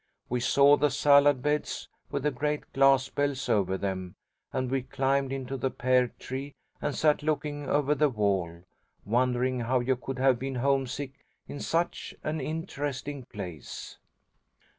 We saw the salad beds with the great glass bells over them, and we climbed into the pear tree and sat looking over the wall, wondering how you could have been homesick in such an interesting place.